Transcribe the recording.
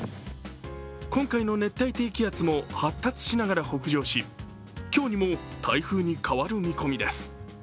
今回の熱帯低気圧も発達しながら北上し、今日にも台風に変わる見込みです。